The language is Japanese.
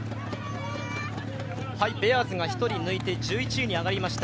ベアーズが１人抜いて１１位に上がりました。